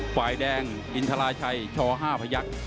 ฝ่ายแดงอินทราชัยช๕พยักษ์